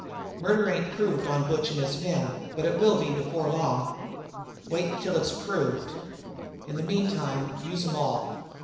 "Murder ain't proved on Butch and his men, but it will be before long." "Wait till it's proved. In the meantime use em all."